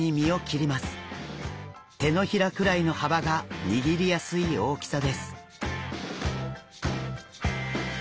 手のひらくらいの幅が握りやすい大きさです。